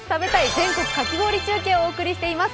全国かき氷中継をお送りしています。